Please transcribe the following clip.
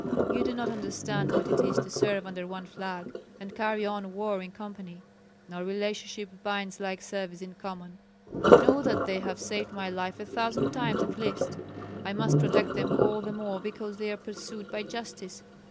You do not understand what it is to serve under one flag and carry on war in company. No relationship binds like service in common. Know that they have saved my life a thousand times at least. I must protect them all the more because they are pursued by justice.